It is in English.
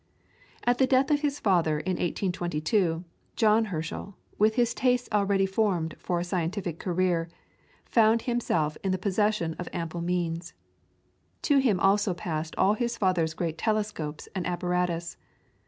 At the death of his father in 1822, John Herschel, with his tastes already formed for a scientific career, found himself in the possession of ample means. To him also passed all his father's great telescopes and apparatus.